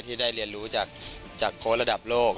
ที่ได้เรียนรู้จากโค้ชระดับโลก